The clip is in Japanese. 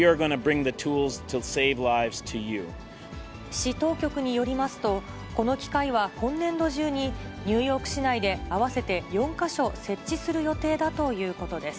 市当局によりますと、この機械は今年度中に、ニューヨーク市内で合わせて４か所設置する予定だということです。